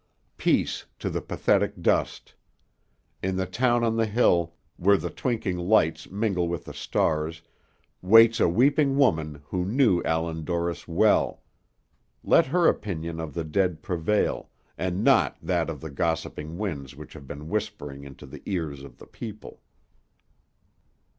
Peace to the pathetic dust! In the town on the hill, where the twinkling lights mingle with the stars, waits a weeping woman who knew Allan Dorris well; let her opinion of the dead prevail, and not that of the gossiping winds which have been whispering into the ears of the people.